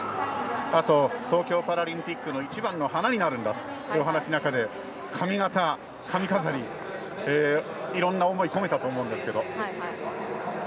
あと、東京パラリンピックの一番の花になるんだというお話の中で髪形、髪飾りいろんな思いを込めたと思いますが。